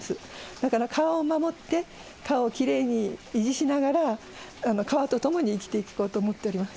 だから、川を守って、川をきれいに維持しながら、川と共に生きていこうと思っております。